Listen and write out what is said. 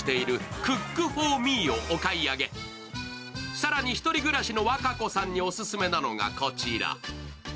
更に、１人暮らしの和歌子さんにオススメなのがこちら。